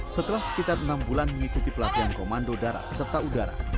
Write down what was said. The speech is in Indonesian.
setelah sekitar enam bulan mengikuti pelatihan komando darat serta udara